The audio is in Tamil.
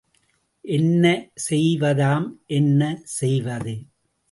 என்ன செய்வதாம் என்ன செய்வது!